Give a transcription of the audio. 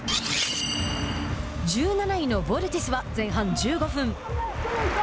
１７位のヴォルティスは前半１５分。